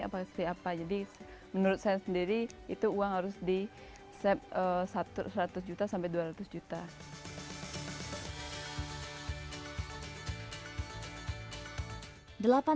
apa seperti apa jadi menurut saya sendiri itu uang harus di set seratus juta sampai dua ratus juta